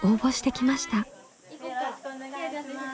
よろしくお願いします。